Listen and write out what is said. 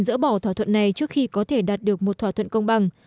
dỡ bỏ thỏa thuận này trước khi có thể đạt được một thỏa thuận công bằng